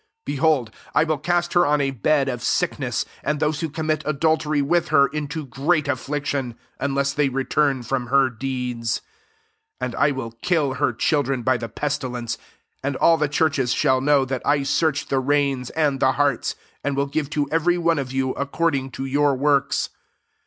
22 Behold, I will cast her on a bed qf sicknes9, and those who commit adultery with her into great affliction, unless they re turn from her deeds. S3 And I will kill her children by the pestilence ; and all the churches shall know that I search the reins and the hearts, and will give to every one of you accord ing to your works.